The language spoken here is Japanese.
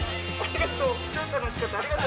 ありがとう。